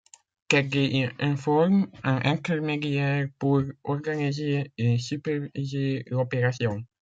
Tedder informe un intermédiaire pour organiser et superviser l'opération.